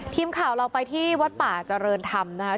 ทีมข่าวเราไปที่วัดป่าเจริญธรรมนะคะ